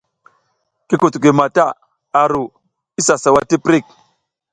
Ki kutukuy mata a ru isa sawa ti prik.